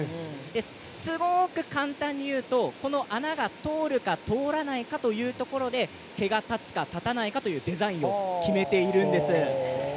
すごく簡単に言うとこの穴が通るか通らないかというところで毛が立つか立たないかというデザインを決めているんです。